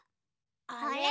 あれ？